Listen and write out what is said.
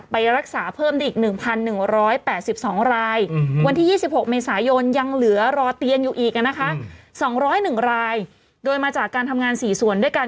ไปรักษาเพิ่มได้อีก๑๑๘๒รายวันที่๒๖เมษายนยังเหลือรอเตียงอยู่อีกนะคะ๒๐๑รายโดยมาจากการทำงาน๔ส่วนด้วยกัน